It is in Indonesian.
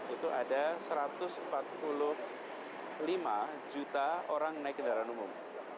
itu ada satu ratus empat puluh lima juta orang naik kendaraan umum